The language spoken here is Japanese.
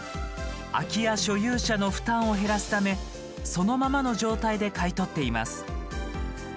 空き家所有者の負担を減らすためそのままの状態で買い取っています。